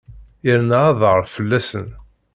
Irna aḍar fell-asen.